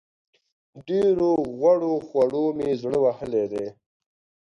ډېرو غوړو خوړو مې زړه وهلی دی.